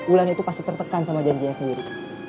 bulan itu pasti tertekan sama janjinya sendiri